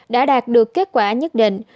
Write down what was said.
đã đạt được kết quả nhất định